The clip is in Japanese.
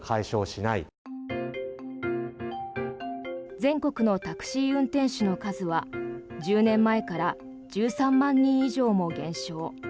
全国のタクシー運転手の数は１０年前から１３万人以上も減少。